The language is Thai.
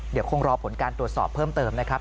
เดี๋ยวคงรอผลการตรวจสอบเพิ่มเติมนะครับ